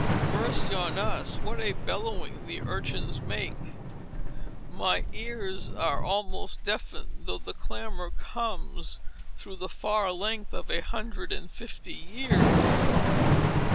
Mercy on us, what a bellowing the urchins make! My ears are almost deafened, though the clamor comes through the far length of a hundred and fifty years.